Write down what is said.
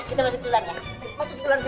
kita masuk duluan ya